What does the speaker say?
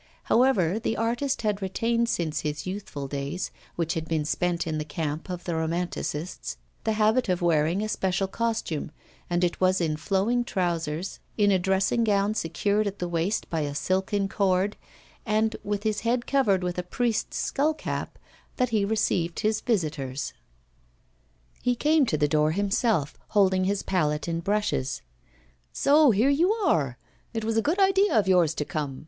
However, the artist had retained since his youthful days, which had been spent in the camp of the Romanticists, the habit of wearing a special costume, and it was in flowing trousers, in a dressing gown secured at the waist by a silken cord, and with his head covered with a priest's skull cap, that he received his visitors. He came to open the door himself, holding his palette and brushes. 'So here you are! It was a good idea of yours to come!